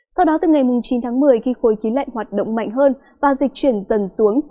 sau đó từ ngày chín tháng một mươi khi khối khí lạnh hoạt động mạnh hơn và dịch chuyển dần xuống